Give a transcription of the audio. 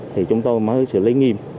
thì chúng tôi mới xử lý nghiêm